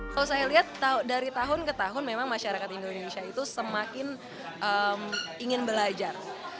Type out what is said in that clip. kalau saya lihat dari tahun ke tahun memang masyarakat indonesia itu semakin ingin belajar